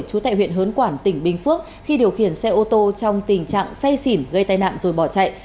trú tại huyện hớn quản tỉnh bình phước khi điều khiển xe ô tô trong tình trạng say xỉn gây tai nạn rồi bỏ chạy